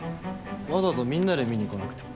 わざわざみんなで見に来なくても。